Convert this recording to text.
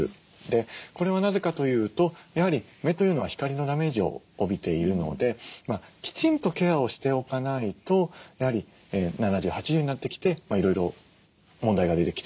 これはなぜかというとやはり目というのは光のダメージを帯びているのできちんとケアをしておかないとやはり７０８０になってきていろいろ問題が出てきてしまうと。